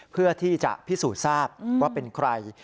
เพื่อที่จะพิสูจน์ทราบว่าเป็นใคร